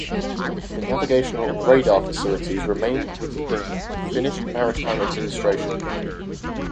The navigational and radar facilities remain with the Finnish Maritime Administration.